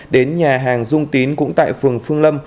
đến nhà hàng dung tín cũng tại phường phương lâm